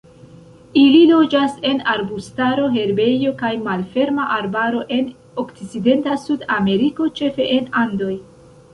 Ili loĝas en arbustaro, herbejo kaj malferma arbaro en okcidenta Sudameriko, ĉefe en Andoj.